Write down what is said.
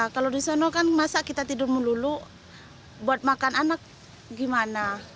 kalau di sana kita tidur dulu buat makan anak gimana